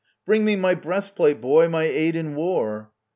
Bring me my breastplate, boy, my aid in war